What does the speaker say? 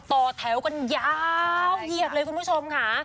ต่อแถวกันยาวเหยียดเลยคุณผู้ชมค่ะ